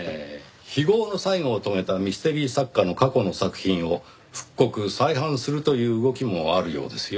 非業の最期を遂げたミステリー作家の過去の作品を復刻再版するという動きもあるようですよ。